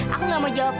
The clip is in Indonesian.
aku nggak mau jawab